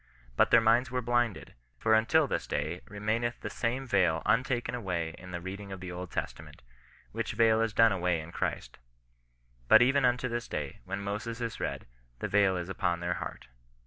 But their minds were blinded ; for until this day, re maincth the same veil untaken away in the reading of the Old Testament ; which veil is done away in Christ But even unto this day, when Moses is read, the veil is upon their heart."